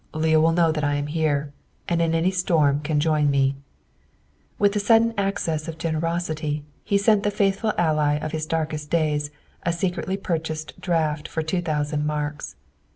"Leah will know that I am here, and in any storm can join me." With a sudden access of generosity, he sent the faithful ally of his darkest day a secretly purchased draft for two thousand marks.